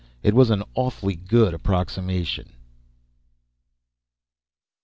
it was an awfully good approximation!